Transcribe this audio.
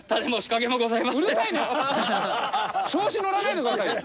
調子のらないでくださいよ。